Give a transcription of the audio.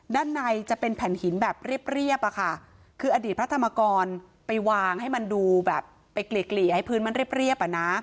ด้านในจะเป็นแผ่นหินแบบเรียบอะค่ะคืออดีตพระธรรมกรไปวางให้มันดูแบบไปเกลี่ให้พื้นมันเรียบอ่ะนะ